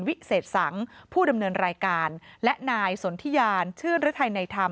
วิเศษสังผู้ดำเนินรายการและนายสนทิยานชื่นฤทัยในธรรม